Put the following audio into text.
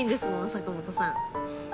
坂本さん。